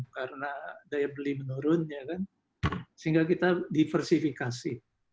karena daya beli menurun sehingga kita diversifikasi